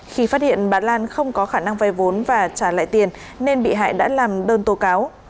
khi phát hiện bà lan không có khả năng vay vốn và trả lại tiền nên bị hại đã làm đơn tố cáo